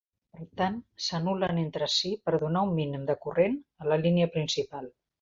Per tant, s'anul·len entre si per donar un mínim de corrent a la línia principal.